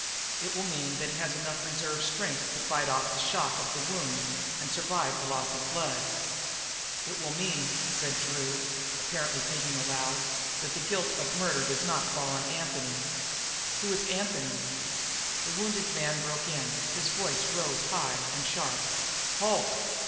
It will mean that he has enough reserve strength to fight off the shock of the wound and survive the loss of the blood." "It will mean," said Drew, apparently thinking aloud, "that the guilt of murder does not fall on Anthony." "Who is Anthony?" The wounded man broke in; his voice rose high and sharp: "Halt!"